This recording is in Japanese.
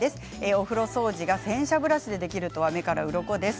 お風呂掃除が洗車ブラシでできるとは目からうろこです。